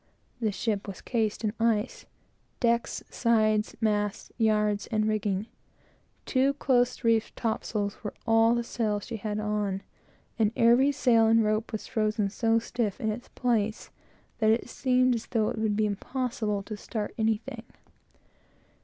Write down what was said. The ship was cased in ice, decks, sides, masts, yards, and rigging. Two close reefed top sails were all the sail she had on, and every sail and rope was frozen so stiff in its place, that it seemed as though it would be impossible to start anything.